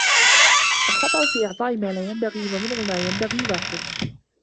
الْخَطَأُ فِي إعْطَاءِ مَا لَا يَنْبَغِي وَمَنْعُ مَا يَنْبَغِي وَاحِدٌ